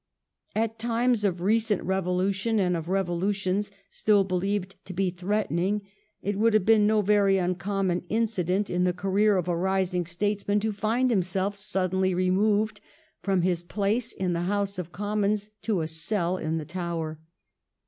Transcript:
At times of recent revolution, and of revolu tions still believed to be threatening, it would have been no very uncommon incident in the career 1711 12 WALPOLE COMMITTED TO THE TOWER 229 of a rising statesman to find himself suddenly removed from his place in the House of Commons to a cell in the Tower.